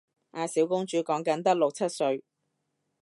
阿小公主講緊得六七歲